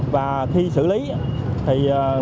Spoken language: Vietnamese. và khi xử lý thì